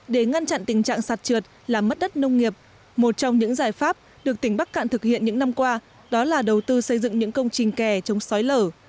để ngăn chặn tình trạng sạt trượt làm mất đất nông nghiệp một trong những giải pháp được tỉnh bắc cạn thực hiện những năm qua đó là đầu tư xây dựng những công trình kè chống xói lở